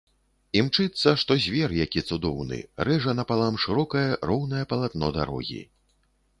Імчыцца, што звер які цудоўны, рэжа напалам шырокае, роўнае палатно дарогі.